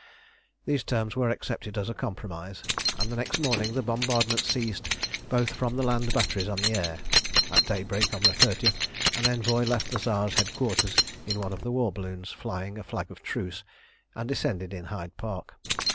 These terms were accepted as a compromise, and the next morning the bombardment ceased both from the land batteries and the air. At daybreak on the 30th an envoy left the Tsar's headquarters in one of the war balloons, flying a flag of truce, and descended in Hyde Park.